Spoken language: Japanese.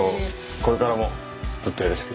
これからもずっとよろしく。